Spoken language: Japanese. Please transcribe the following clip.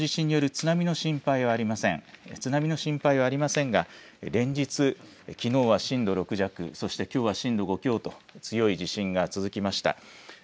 津波の心配はありませんが連日、きのうは震度６弱、そしてきょうは震度５強と強い地震が続きました。